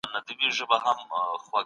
وايمه تاكړم له نظره